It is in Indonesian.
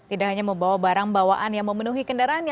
tidak hanya membawa barang bawaan yang memenuhi kendaraannya